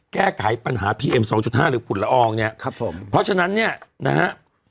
แก้ไขปัญหาพีเอ็มสองจุดห้าหรือฝุ่นละอองเนี่ยครับผมเพราะฉะนั้นเนี่ยนะฮะ